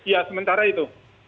ya sementara itu